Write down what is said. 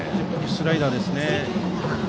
スライダーですね。